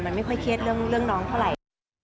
มันไม่ค่อยเครียดเรื่องน้องเท่าไหร่